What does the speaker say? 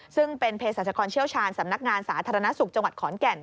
ซึ่งเป็นเพศรัชกรเชี่ยวชาญสำนักงานสาธารณสุขจังหวัดขอนแก่น